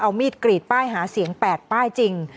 เอามีดกรีดป้ายหาเสียง๘ป้ายจริง